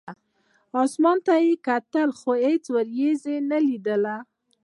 اسمان ته به یې کتل، خو هېڅ ورېځ یې نه لیده.